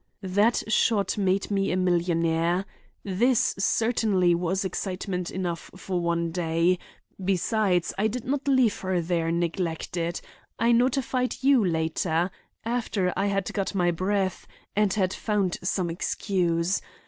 That shot made me a millionaire. This certainly was excitement enough for one day—besides, I did not leave her there neglected. I notified you later—after I had got my breath and had found some excuse.